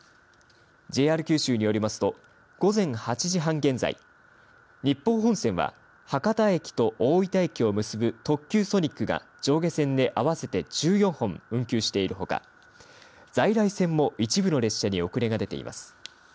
ＪＲ九州によりますと午前８時半現在、日豊本線は博多駅と大分駅を結ぶ特急ソニックが上下線で合わせて１４本運休しているほか、在来線も一部の列車に遅れが出ています。